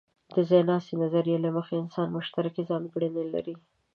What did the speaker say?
د ځایناستې نظریې له مخې، انسانان مشترکې ځانګړنې لري.